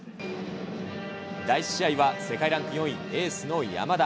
第１試合は世界ランク４位、エースの山田。